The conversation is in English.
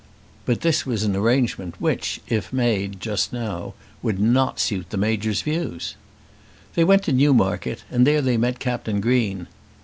But this was an arrangement, which, if made just now, would not suit the Major's views. They went to Newmarket, and there they met Captain Green.